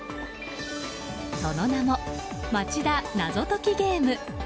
その名も「まちだ謎解きゲーム」。